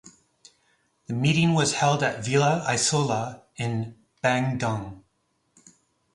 The meeting was held at Villa Isola in Bandung.